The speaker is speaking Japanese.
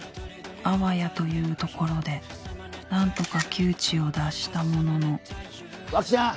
あわやという所でなんとか窮地を脱したものの脇ちゃん。